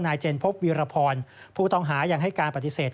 เจนพบวีรพรผู้ต้องหายังให้การปฏิเสธ